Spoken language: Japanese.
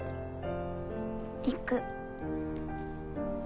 行く。